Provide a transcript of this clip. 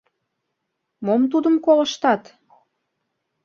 — Мом тудым колыштат?